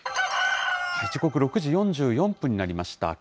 時刻は６時４４分になりました。